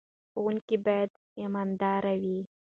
ښوونکي باید امانتدار وي.